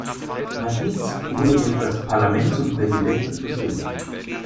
Madriz wurde durch das Parlament zum Präsidenten bestimmt.